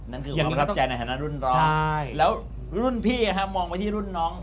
นั่นคือรับใจในฐานะรุ่นร้องแล้วรุ่นพี่มองไปที่รุ่นน้อง